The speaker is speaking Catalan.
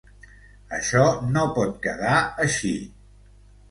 Això no pot quedar així!